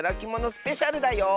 スペシャルだよ！